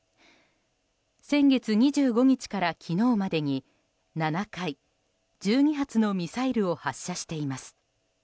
先月２５日から昨日までに７回、１２発のミサイルを発射しています。